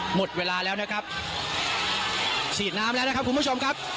หมดเวลาแล้วนะครับฉีดน้ำแล้วนะครับคุณผู้ชมครับ